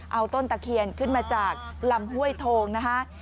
เอาต้นตะเคียนขึ้นมาจากลำห้วยโทงนะคะ